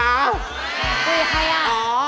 คุยกับใครอะ